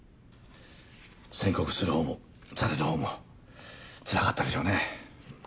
宣告するほうもされるほうもつらかったでしょうね。